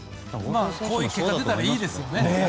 こういう結果が出たらいいですよね。